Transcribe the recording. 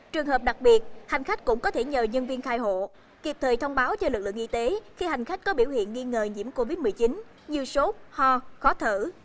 trường hợp đặc biệt hành khách cũng có thể nhờ nhân viên khai hộ kịp thời thông báo cho lực lượng y tế khi hành khách có biểu hiện nghi ngờ nhiễm covid một mươi chín như sốt ho khó thở